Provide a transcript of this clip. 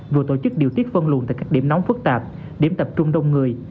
vừa tổ chức điều tiết phân luận tại các điểm nóng phức tạp điểm tập trung đông người